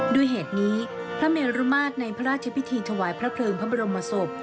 ด้วยเหตุนี้พระเมรุมาตรในพระราชพิธีถวายพระเพลิงพระบรมศพ